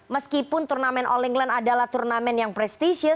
meskipun turnamen all england adalah turnamen yang prestisius